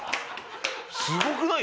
すごくない？